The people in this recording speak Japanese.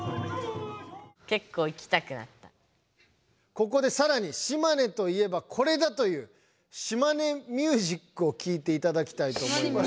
ここでさらに島根といえばこれだという島根ミュージックをきいていただきたいと思います。